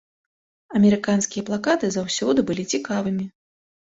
Амерыканскія плакаты заўсёды былі цікавымі.